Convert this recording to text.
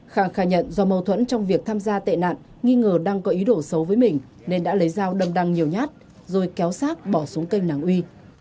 khang khả nhận do mâu thuẫn trong việc tham gia tệ nạn nghi ngờ đang có ý đổ xấu với mình nên đã lấy dao đâm đăng nhiều nhát rồi kéo xác bỏ xuống cây nàng uy